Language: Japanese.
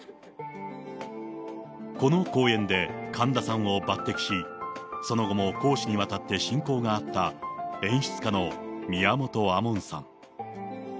この公演で、神田さんを抜てきし、その後も公私にわたって親交があった演出家の宮本亜門さん。